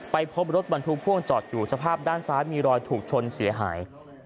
ไปพบรถบรรทุกพ่วงจอดอยู่สภาพด้านซ้ายมีรอยถูกชนเสียหาย